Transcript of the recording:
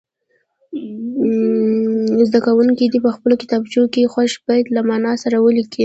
زده کوونکي دې په خپلو کتابچو کې خوښ بیت له معنا سره ولیکي.